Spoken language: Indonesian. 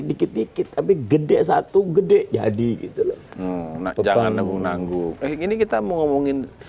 dikit dikit tapi gede satu gede jadi gitu loh jangan nenggung nanggung ini kita mau ngomongin